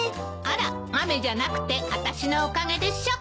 あら雨じゃなくてあたしのおかげでしょ！